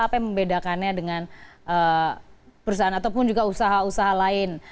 apa yang membedakannya dengan perusahaan ataupun juga usaha usaha lain